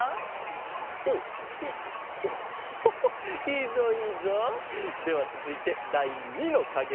いいぞいいぞ。ではつづいてだい２のかげだ。